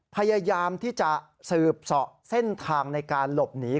พยายามที่จะสืบเสาะเส้นทางในการหลบหนี